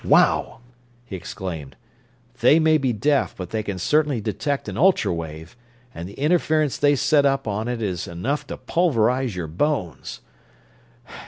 "Wow!" he exclaimed. "They may be deaf, but they can certainly detect an ultra wave, and the interference they can set up on it is enough to pulverize your bones.